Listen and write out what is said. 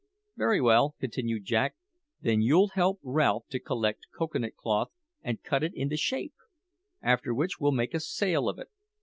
"Very well," continued Jack; "then you'll help Ralph to collect cocoa nut cloth and cut it into shape, after which we'll make a sail of it.